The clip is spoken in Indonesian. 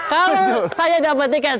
kalau saya dapat tiket